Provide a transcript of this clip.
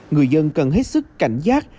người dân cần hết sức cảnh giác